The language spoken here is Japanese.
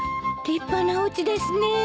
立派なおうちですね。